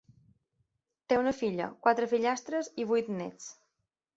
Té una filla, quatre fillastres i vuit néts.